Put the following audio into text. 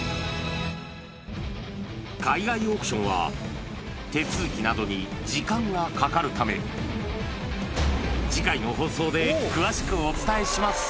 海外オークションは、手続きなどに時間がかかるため、次回の放送で詳しくお伝えします。